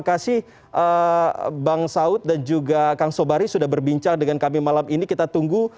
terima kasih bang saud dan juga kang sobari sudah berbincang dengan kami malam ini kita tunggu